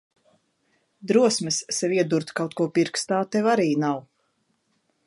Drosmes sev iedurt kaut ko pirkstā tev arī nav.